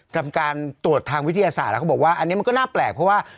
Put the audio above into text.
กรรมการตรวจทางวิทยาศาสตร์แล้วเขาบอกว่าอันนี้มันก็น่าแปลกเพราะว่า